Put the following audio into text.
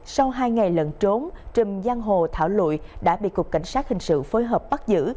sau hai ngày lẫn trốn trần giang hồ thảo lụi đã bị cục cảnh sát hình sự phối hợp bắt giữ